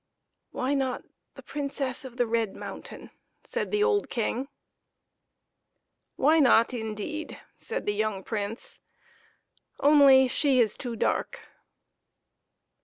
" Why not the Princess of the Red Mountain ?" said the old King. " Why not, indeed ?" said the young Prince, " only she is too dark."